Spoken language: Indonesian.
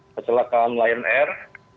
kecelakaan lion air